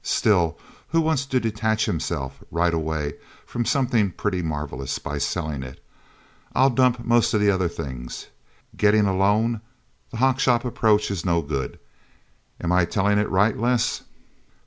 Still, who wants to detach himself, right away, from something pretty marvelous, by selling it? I'd dump most of the other things. Getting a loan the hock shop approach is no good... Am I telling it right, Les?"